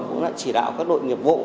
cũng đã chỉ đạo các đội nghiệp vụ